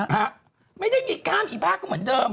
ฮะไม่ได้มีกล้ามอีบ้าก็เหมือนเดิม